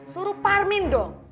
suruh parmin dong